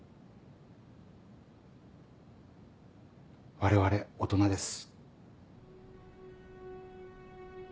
我々大人です。